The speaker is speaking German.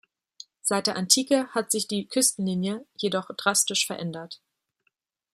Seit der Antike hat sich die Küstenlinie jedoch drastisch verändert.